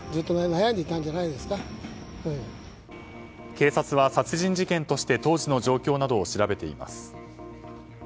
警察は殺人事件として当時の状況などを調べています。